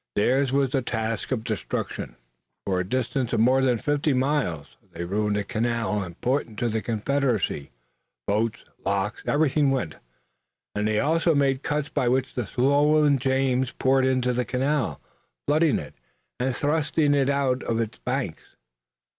Theirs was a task of destruction. For a distance of more than fifty miles they ruined a canal important to the Confederacy. Boats, locks, everything went, and they also made cuts by which the swollen James poured into the canal, flooding it and thrusting it out of its banks.